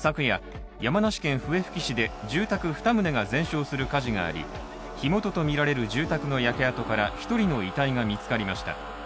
昨夜、山梨県笛吹市で住宅２棟が全焼する火事があり火元とみられる住宅の焼け跡から１人の遺体が見つかりました。